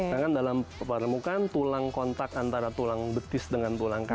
nah kan dalam permukaan tulang kontak antara tulang betis dengan tulang kaki